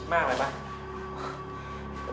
จัดเต็มให้เลย